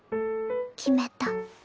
決めた。